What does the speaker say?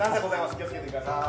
気をつけてくださーい。